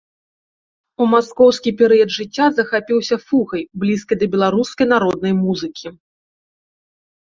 У маскоўскі перыяд жыцця захапіўся фугай, блізкай да беларускай народнай музыкі.